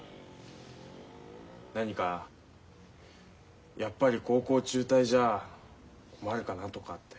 何かやっぱり高校中退じゃ困るかなとかって。